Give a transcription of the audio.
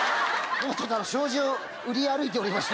障子を売り歩いておりまして。